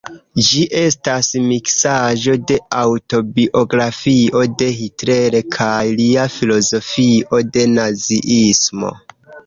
Ĝi estas miksaĵo de aŭtobiografio de Hitler kaj lia filozofio de naziismo.